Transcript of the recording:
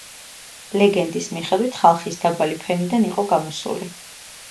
ლეგენდის მიხედვით ხალხის დაბალი ფენიდან იყო გამოსული.